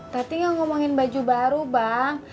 tati gak ngomongin baju baru bang